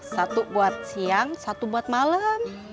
satu buat siang satu buat malam